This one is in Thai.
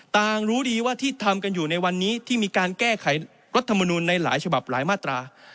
รู้ดีว่าที่ทำกันอยู่ในวันนี้ที่มีการแก้ไขรัฐมนุนในหลายฉบับหลายมาตรา